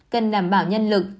cần đảm bảo nhân lực